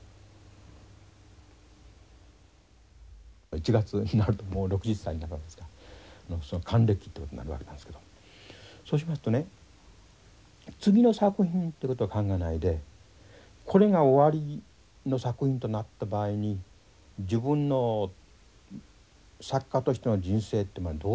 １月になるともう６０歳になるわけですが還暦ってことになるわけなんですけどそうしますとね次の作品ってことは考えないでこれが終わりの作品となった場合に自分の作家としての人生ってどういうものだっただろうか。